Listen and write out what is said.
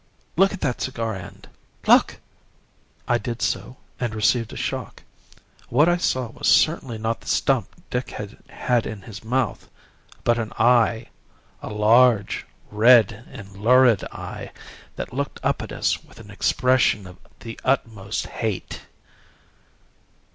Look at that cigar end look!' "I did so, and received a shock. What I saw was certainly not the stump Dick had had in his mouth, but an eye a large, red and lurid eye that looked up at us with an expression of the utmost hate.